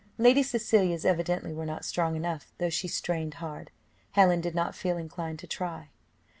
Lady Cecilia's evidently were not strong enough, though she strained hard. Helen did not feel inclined to try.